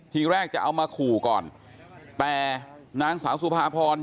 ทีแรกจะเอามาขู่ก่อนแต่นางสาวสุภาพร